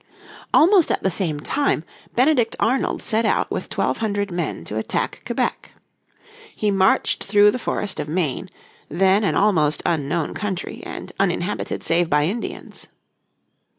Almost at the same time Benedict Arnold set out with twelve hundred men to attack Quebec. He marched through the forest of Maine, then an almost unknown country and uninhabited save by Indians.